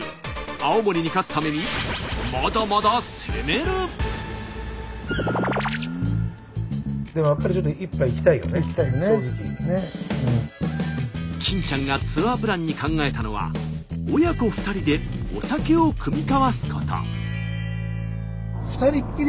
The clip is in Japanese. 青森に勝つために金ちゃんがツアープランに考えたのは親子２人でお酒を酌み交わすこと。